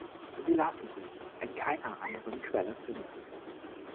Sie lassen sich in keiner anderen Quelle finden.